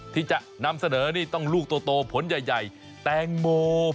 ที่จะนำเสนอนี่ต้องลูกโตผลใหญ่แตงโม